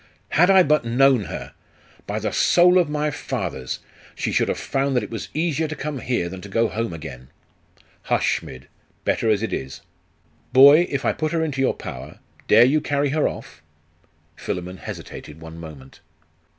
'Had I but known her! By the soul of my fathers, she should have found that it was easier to come here than to go home again!' 'Hush, Smid! Better as it is. Boy, if I put her into your power, dare you carry her off?' Philammon hesitated one moment.